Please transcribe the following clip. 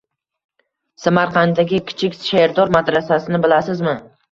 Samarqanddagi “Kichik Sherdor” madrasasini bilasizmi?